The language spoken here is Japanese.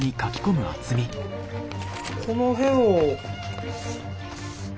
この辺を。